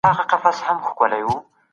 ژبه د کلتور روح دی.